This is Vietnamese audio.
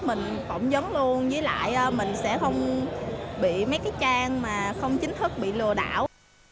mình phỏng vấn luôn với lại mình sẽ không bị mấy cái trang mà không chính thức bị lừa đảo